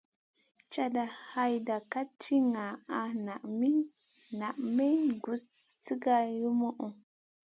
Cata hayta ka ti ŋaʼa naa may gus slèkka lumuʼu.